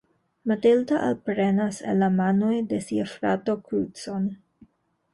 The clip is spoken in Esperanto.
Matilda alprenas el la manoj de sia frato krucon.